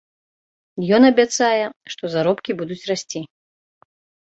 Ён абяцае, што заробкі будуць расці.